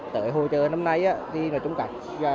tại hội trợ năm nay